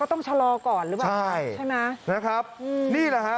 ต้องชะลอก่อนหรือเปล่าใช่ใช่ไหมนะครับอืมนี่แหละฮะ